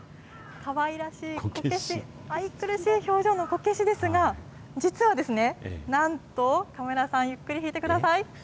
かわいらしいこけし、愛くるしい表情のこけしですが、実はですね、なんと、カメラさん、ゆっくり引いてください。